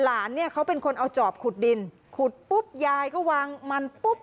หลานเนี่ยเขาเป็นคนเอาจอบขุดดินขุดปุ๊บยายก็วางมันปุ๊บ